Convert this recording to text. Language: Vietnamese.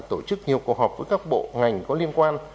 tổ chức nhiều cuộc họp với các bộ ngành có liên quan